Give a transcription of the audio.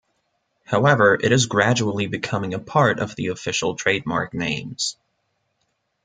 However, it is gradually becoming a part of the official trademark names.